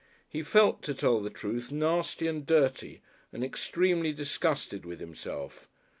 He felt, to tell the truth, nasty and dirty and extremely disgusted with himself.